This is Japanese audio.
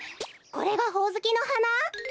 これがほおずきのはな？